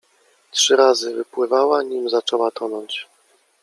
Trzy razy wypływała, nim zaczęła tonąć.